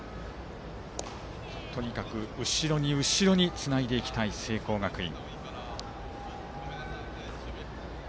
とにかく後ろに後ろにつないでいきたい聖光学院。